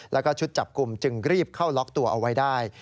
แล้วก็ชุดจับกลุ่มจึงรีบเข้าล็อกตัวเอาไว้ได้